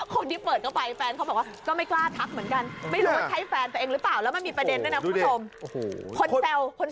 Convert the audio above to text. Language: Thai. คนที่เปิดเข้าไปแฟนเขาบอกว่าก็ไม่กล้าทักเหมือนกัน